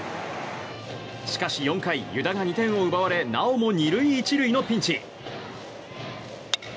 しかし４回、湯田が２点を奪われなおも２塁１塁のピンチ。